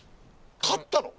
買ったの？